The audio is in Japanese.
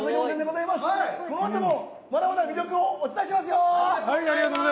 このあともまだまだ魅力をお伝えしますよ！